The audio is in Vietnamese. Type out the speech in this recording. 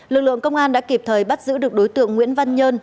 lực lượng công an đã kịp thời bắt giữ được đối tượng nguyễn văn nhơn